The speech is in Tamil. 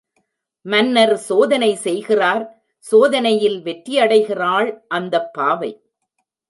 மன்னர் சோதனை செய்கிறார் சோதனையில் வெற்றியடைகிறாள் அந்தப்பாவை.